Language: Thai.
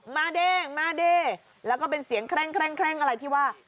มาดิ่งแล้วก็เป็นเสียงแคร่งอะไรที่ว่า